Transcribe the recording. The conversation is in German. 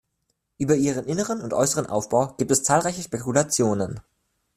Über ihren inneren und äußeren Aufbau gibt es zahlreiche Spekulationen.